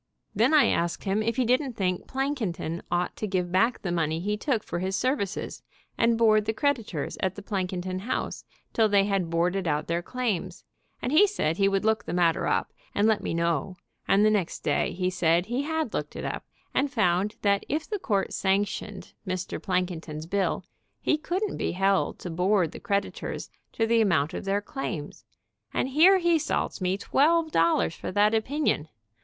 Then I asked him if he didn't think Plankinton ought to give back the money he took for his services and board the cred itors at the Plankinton House till they had boarded 88 THE MAN WHO ASKED QUESTIONS out their claims, and he said he would look the matter up, and let me know, and the next day he said he had looked it up, and found that if the court sanctioned Mr. Plankinton's bill he couldn't be held to board the creditors to the amount of their claims, and here he salts me twelve dollars for that opinion.